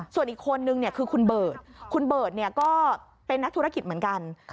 ส่วนอีกคนนึงคือคุณเบิร์ตคุณเบิร์ตก็เป็นนักธุรกิจเหมือนกัน